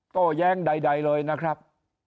โต้แย้งใดเลยนะครับ